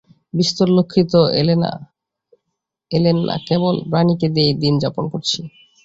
বিস্তর– লক্ষ্মী তো এলেন না, কেবল বাণীকে নিয়েই দিন যাপন করছি।